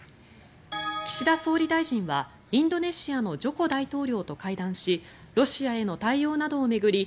岸田総理大臣はインドネシアのジョコ大統領と会談しロシアへの対応などを巡り